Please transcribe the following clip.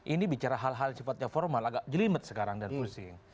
ini bicara hal hal sifatnya formal agak jelimet sekarang dan pusing